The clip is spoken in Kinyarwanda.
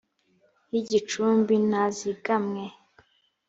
y igicumbi n azigamwe